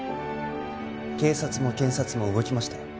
警察も検察も動きましたよ